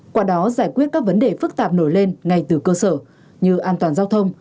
qua đó giải quyết các vấn đề phức tạp nổi lên ngay từ cơ sở như an toàn giao thông